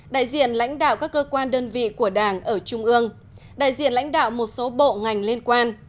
đại diện lãnh đạo các cơ quan đơn vị của đảng ở trung ương đại diện lãnh đạo một số bộ ngành liên quan